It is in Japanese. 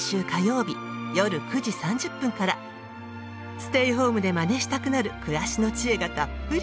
ステイホームでまねしたくなる暮らしの知恵がたっぷり。